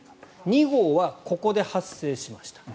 ２号はここで発生しました。